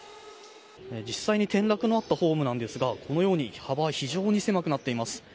実際に転落のあったホームなんですがこのように、幅は非常に狭くなっています。